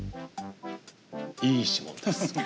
いい指紋です。